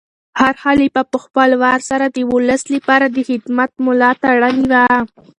هر خلیفه په خپل وار سره د ولس لپاره د خدمت ملا تړلې وه.